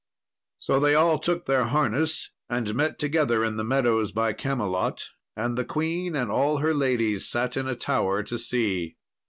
So they all took their harness and met together in the meadows by Camelot, and the queen and all her ladies sat in a tower to see.